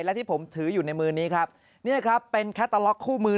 และที่ผมถืออยู่ในมือนี้ครับนี่ครับเป็นแคตเตอร์ล็อกคู่มือ